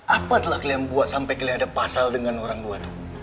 apa telah kalian buat sampai kalian ada pasal dengan orang tua tuh